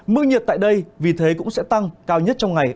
mức nhiệt tại đây vì thế cũng sẽ tăng cao nhất trong ngày